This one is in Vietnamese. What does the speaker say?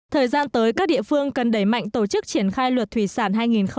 thời gian tới các địa phương cần đẩy mạnh tổ chức triển khai luật thủy sản hai nghìn một mươi bảy